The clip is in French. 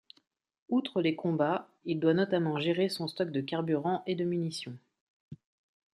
Outre les combats, il doit notamment gérer son stock de carburant et de munitions.